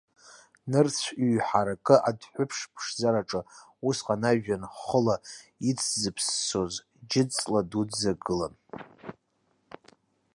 Нырцә ҩҳаракы адәҳәыԥш ԥшӡараҿы усҟан ажәҩан хыла иҵзыԥссоз џьҵла дуӡӡак гылан.